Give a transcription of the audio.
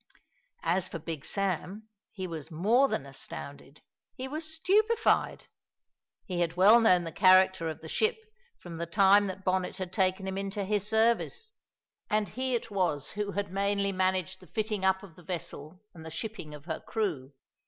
As for Big Sam, he was more than astounded he was stupefied. He had well known the character of the ship from the time that Bonnet had taken him into his service, and he it was who had mainly managed the fitting up of the vessel and the shipping of her crew.